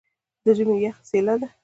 د ژمي یخه څیله ده.